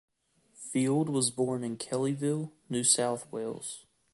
Field was born in Kellyville, New South Wales.